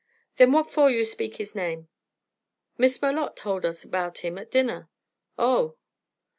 "Then what for you speak his name?" "Miss Malotte told us about him at dinner." "Oh!"